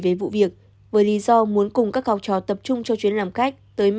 về vụ việc với lý do muốn cùng các học trò